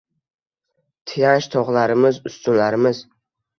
Tayanch tog‘larimiz, ustunlarimiz